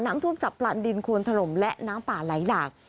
น้ำท่วมจับปลานดินควนถล่มและน้ำป่าไหลหลาก